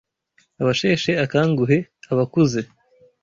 Abasheshe akanguhe: abakuze